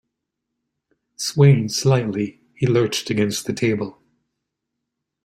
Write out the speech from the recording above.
Swaying slightly, he lurched against the table.